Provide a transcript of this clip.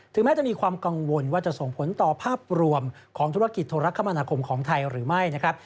แม้จะมีความกังวลว่าจะส่งผลต่อภาพรวมของธุรกิจโทรคมนาคมของไทยหรือไม่นะครับ